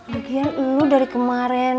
lagi lagi lo dari kemarinan